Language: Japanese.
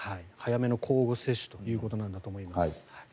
早めの交互接種ということなんだと思います。